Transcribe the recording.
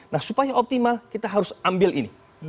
nah supaya optimal kita harus ambil ini